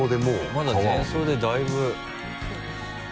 まだ前奏でだいぶ。